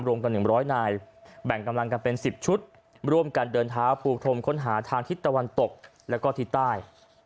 รวมกัน๑๐๐นายแบ่งกำลังกันเป็น๑๐ชุดร่วมกันเดินเท้าปูพรมค้นหาทางทิศตะวันตกแล้วก็ทิศใต้